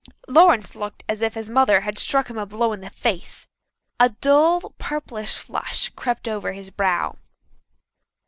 Lawrence looked as if his mother had struck him a blow in the face. A dull, purplish flush crept over his brow.